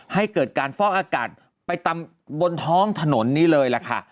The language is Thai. ให้เกิดการฟอกอากาศไปตามบนท้องถนนนี้เลยล่ะค่ะ